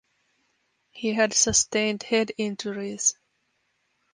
He had sustained head injuries.